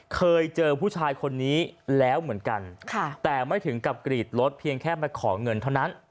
เคยเจอผู้ชายคนนี้แล้วเหมือนกันแต่ไม่ถึงกับกรีดรถเพียงแค่มาขอเงินเท่านั้น